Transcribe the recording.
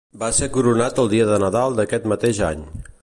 Va ser coronat el dia de Nadal d'aquest mateix any.